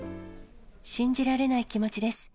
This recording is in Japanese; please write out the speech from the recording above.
信じられない気持ちです。